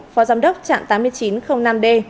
phó giám đốc trạm tám nghìn chín trăm linh năm d